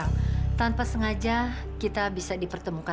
namun adik itu kan benar benar kebuka